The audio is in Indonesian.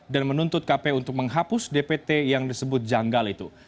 menuntut kpu untuk menghapus dpt yang disebut janggal itu